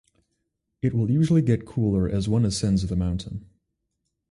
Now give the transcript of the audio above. It will usually get cooler as one ascends the mountain.